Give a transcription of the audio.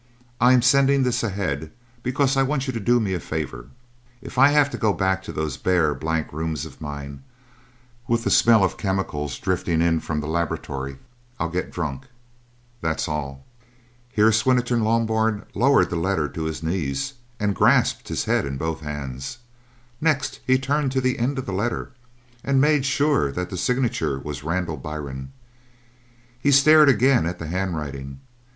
I'm sending this ahead because I want you to do me a favour. If I have to go back to those bare, blank rooms of mine with the smell of chemicals drifting in from the laboratory, I'll get drunk. That's all!" Here Swinnerton Loughburne lowered the letter to his knees and grasped his head in both hands. Next he turned to the end of the letter and made sure that the signature was "Randall Byrne." He stared again at the handwriting.